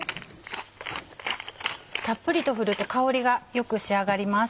たっぷりと振ると香りがよく仕上がります。